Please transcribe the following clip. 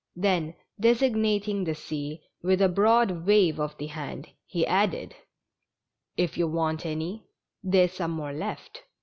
Then, designating the sea with a broad wave of the hand, he added :" If you want any, there's some more left.